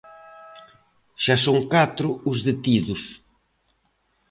Xa son catro os detidos.